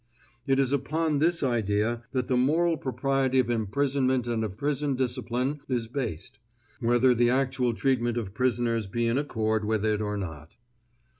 It is upon this idea that the moral propriety of imprisonment and of prison discipline is based, whether the actual treatment of prisoners be in accord with it or not.